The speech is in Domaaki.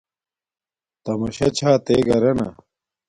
تماشا چھا تے گھرانا